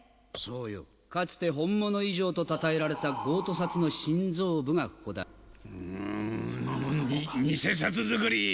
かつて本物以上とたたえられたゴート札の心臓部がここだ。に偽札造り！